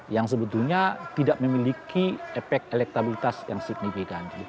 yang sebetulnya tidak memiliki efek elektabilitas yang signifikan